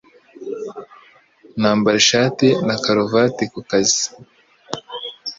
Nambara ishati na karuvati ku kazi